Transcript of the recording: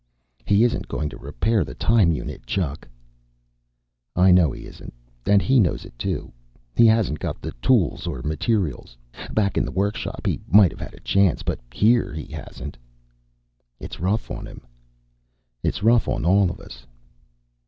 "He isn't going to repair the time unit, Chuck." "I know he isn't. And he knows it, too. He hasn't got the tools or the materials. Back in the workshop, he might have a chance, but here he hasn't." "It's rough on him." "It's rough on all of us."